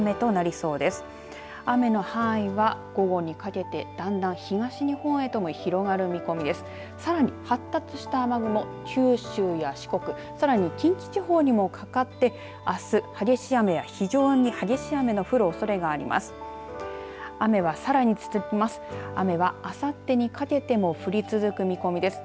さらに発達した雨雲九州や四国、さらに近畿地方にもかかって、あす激しい雨や非常に激しい雨の降るおそれがあります。